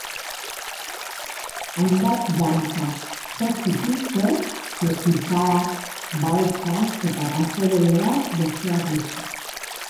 Hainbat dantza jo zituzten, txotisak , baltsak eta pasodobleak, besteak beste.